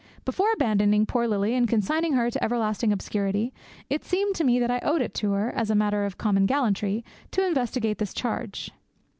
Before abandoning poor Lily, and consigning her to everlasting obscurity, it seemed to me that I owed it to her, as a matter of common gallantry, to investigate this charge.